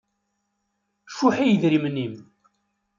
Cuḥ i yidrimen-im.